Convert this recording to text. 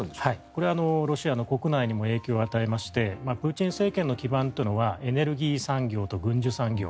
これ、ロシアの国内にも影響を与えましてプーチン政権の基盤というのはエネルギー産業と軍需産業。